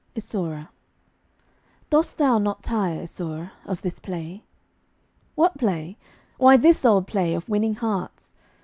ISAURA. Dost thou not tire, Isaura, of this play? "What play?" Why, this old play of winning hearts!